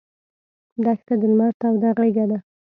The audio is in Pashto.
دښته د لمر توده غېږه ده.